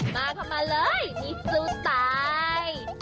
มาเข้ามาเลยนี่สู้ตาย